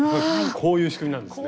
こういう仕組みなんですね。